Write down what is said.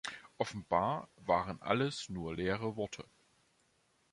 Offenbar waren alles nur leere Worte.